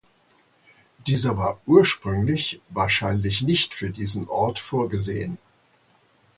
Dieser war ursprünglich wahrscheinlich nicht für diesen Ort vorgesehen.